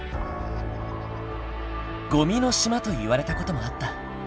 ゴミの島といわれた事もあった。